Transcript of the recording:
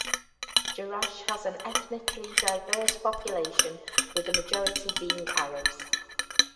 Jerash has an ethnically diverse population, with the majority being Arabs.